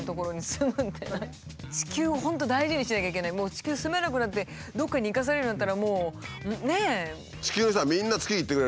地球住めなくなってどこかに行かされるようになったらもうねえ。